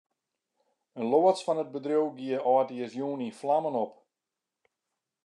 In loads fan it bedriuw gie âldjiersjûn yn flammen op.